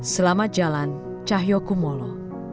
selamat jalan cahyo kumolo